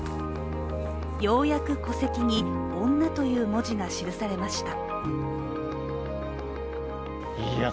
ようやく戸籍に「女」という文字が記されました。